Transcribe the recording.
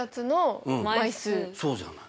そうじゃない？